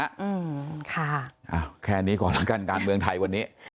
อืมค่ะอ้าวแค่นี้ก่อนแล้วกันการเมืองไทยวันนี้